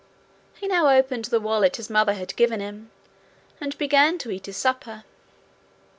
He now opened the wallet his mother had given him, and began to eat his supper.